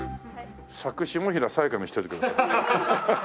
作下平さやかにしといてください。